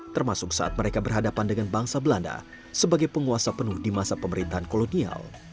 termasuk saat mereka berhadapan dengan bangsa belanda sebagai penguasa penuh di masa pemerintahan kolonial